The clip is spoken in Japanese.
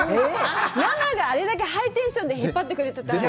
生であれだけハイテンションで引っ張ってくれたら。